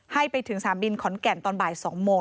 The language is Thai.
ให้ไปถึงสนามบินขอนแก่นตอนบ่าย๒โมง